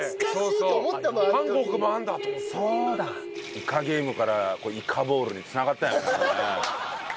『イカゲーム』から「イカボール」に繋がったよねなんかね。